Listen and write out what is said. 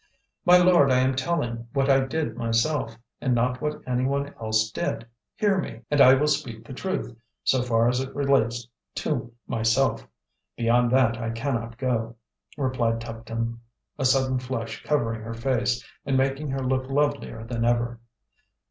"My lord, I am telling what I did myself, and not what any one else did. Hear me, and I will speak the truth, so far as it relates to myself; beyond that I cannot go," replied Tuptim, a sudden flush covering her face, and making her look lovelier than ever.